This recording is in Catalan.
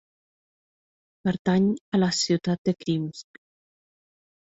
Pertany a la ciutat de Krimsk.